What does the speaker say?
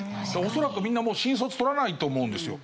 恐らくみんなもう新卒採らないと思うんですよ。